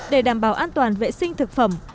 để đảm bảo an toàn vệ sinh thực phẩm